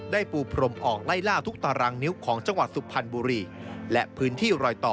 ได้ปูพรมออกไล่ล่าทุกตารางนิ้วของจังหวัดสุพรรณบุรี